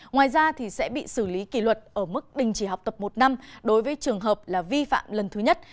ngoài ra sẽ bị xử lý kỷ luật ở mức đình chỉ học tập một năm đối với trường hợp là vi phạm lần thứ nhất